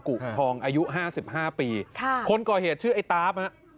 กุทองอายุห้าสิบห้าปีค่ะคนก่อเหตุชื่อไอ้ตาฟฮะ